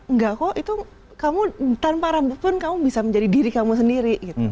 enggak kok itu kamu tanpa rambut pun kamu bisa menjadi diri kamu sendiri